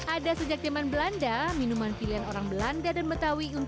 ada sejak zaman belanda minuman pilihan orangnya adalah selendang mayang